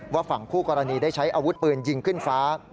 ฝั่งคู่กรณีได้ใช้อาวุธปืนยิงขึ้นฟ้า